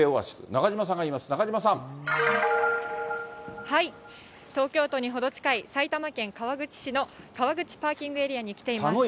中島さんがいます、東京都に程近い、埼玉県川口市の川口パーキングエリアに来ています。